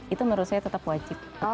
itu menurut saya tetap wajib